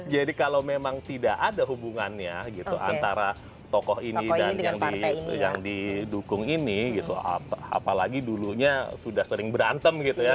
jadi kalau memang tidak ada hubungannya gitu antara tokoh ini dan yang didukung ini apalagi dulunya sudah sering berantem gitu ya